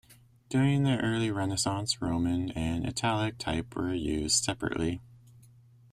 During the early Renaissance, roman and italic type were used separately.